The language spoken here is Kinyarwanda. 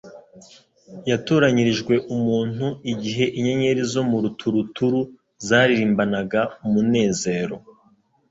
Yatoranyirijwe umuntu "igihe inyenyeri zo mu ruturuturu zaririmbanaga umunezero,